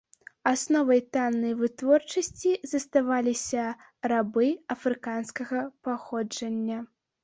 Асновай таннай вытворчасці заставаліся рабы афрыканскага паходжання.